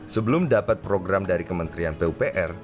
sebelum dapat program dari kementerian pupr